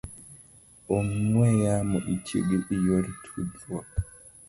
ong'we yamo itiyogo e yor tudruok.